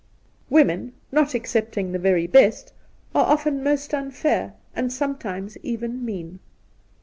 Women, not excepting the very best, are often most unfair, and sometimes even mean.